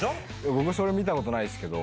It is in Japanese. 僕それ見たことないですけど。